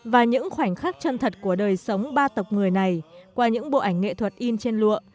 và những khoảnh khắc chân thật của đời sống ba tộc người này qua những bộ ảnh nghệ thuật in trên lụa